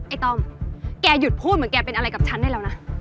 ต้อมแกหยุดพูดเหมือนแกเป็นอะไรกับฉันได้แล้วนะ